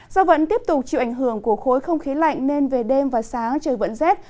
do vẫn tiếp tục chịu ảnh hưởng của khối không khí lạnh nên về đêm và sáng trời vẫn rét